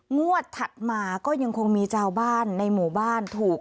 งวดถัดมาก็ยังคงมีชาวบ้านในหมู่บ้านถูก